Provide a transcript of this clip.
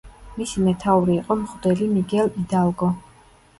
მისი მეთაური იყო მღვდელი მიგელ იდალგო.